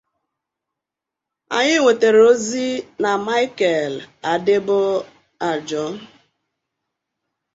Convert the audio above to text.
Anyị nwetere ozi na Michael Adebolajo